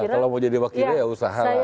kalau mau jadi wak ida ya usahalah